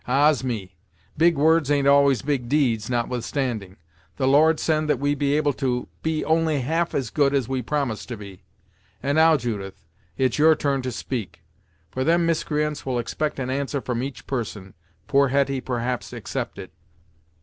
Ahs! me; big words ain't always big deeds, notwithstanding! The Lord send that we be able to be only one half as good as we promise to be! And now, Judith, it's your turn to speak, for them miscreants will expect an answer from each person, poor Hetty, perhaps, excepted."